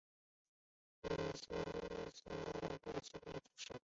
维涅厄勒人口变化图示